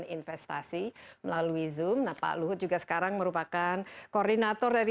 investasi melalui zoom nah pak luhut juga sekarang merupakan koordinator dari